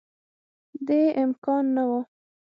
دې امکان نه وو